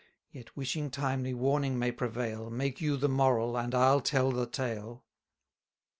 Yet, wishing timely warning may prevail, Make you the moral, and I'll tell the tale.